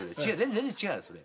全然違うよそれ。